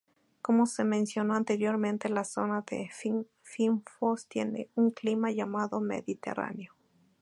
Como se mencionó anteriormente la zona de fynbos tiene un clima llamado mediterráneo.